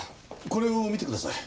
これを見てください。